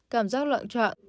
cảm giác loạn trọn